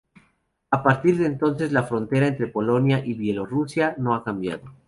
A partir de entonces la frontera entre Polonia y Bielorrusia no ha cambiado.